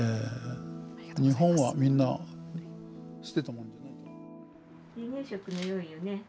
日本はみんな捨てたもんじゃない。